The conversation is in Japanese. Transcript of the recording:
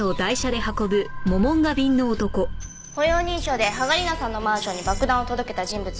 歩容認証で芳賀理菜さんのマンションに爆弾を届けた人物と一致しました。